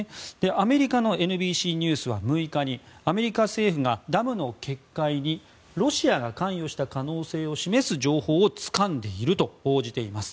アメリカのＮＢＣニュースは６日にアメリカ政府がダムの決壊にロシアが関与した可能性を示す情報をつかんでいると報じています。